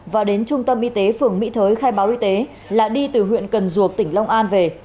và đến trung tâm y tế phường mỹ thới khai báo y tế là đi từ huyện cần duộc tỉnh long an về